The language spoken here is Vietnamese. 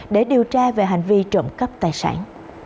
để điều tra về hành vi trộm cắp tài sản